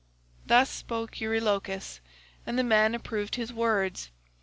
"Thus spoke Eurylochus, and the men approved his words.